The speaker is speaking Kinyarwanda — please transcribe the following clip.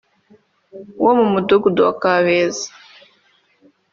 wo mu Mudugudu wa Kabeza